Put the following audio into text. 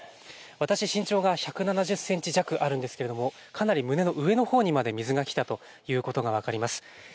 私、身長が１７０センチ弱あるんですけれども、かなり胸の上のほうにまで水が来たということが分かります。